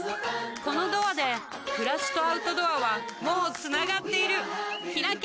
このドアで暮らしとアウトドアはもうつながっているひらけ